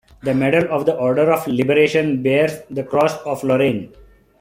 The medal of the Order of Liberation bears the Cross of Lorraine.